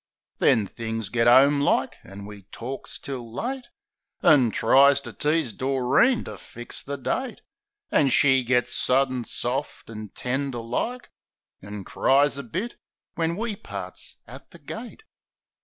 Then things get 'ome like; an' we torks till late, An' tries to tease Doreen to fix the date. An' she gits suddin soft and tender like. An' cries a bit, when we parts at the gate.